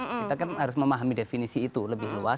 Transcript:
kita kan harus memahami definisi itu lebih luas